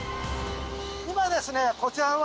今ですねこちらは。